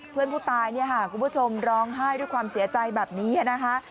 เพื่อนผู้ตายเนี่ยค่ะคุณผู้ชมร้องไห้ด้วยความเสียใจแบบนี้นะคะ